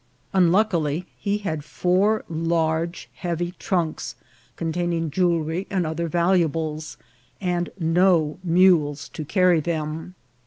Unluckily, he had four large, heavy trunks containing jewelry and other valuables, and no mules to carry them.